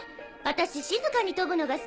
私静かに飛ぶのが